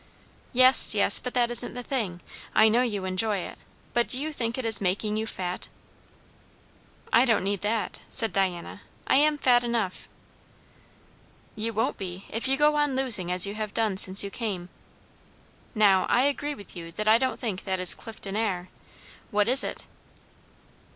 "Yes, yes; but that isn't the thing. I know you enjoy it. But do you think it is making you fat?" "I don't need that," said Diana, smiling. "I am fat enough." "You won't be, if you go on losing as you have done since you came. Now I agree with you that I don't think that is Clifton air. What is it?"